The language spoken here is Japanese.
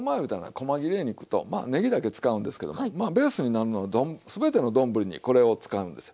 こま切れ肉とまあねぎだけ使うんですけどもまあベースになるのは全ての丼にこれを使うんですよ。